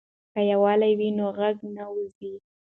که دیوال وي نو غږ نه وځي.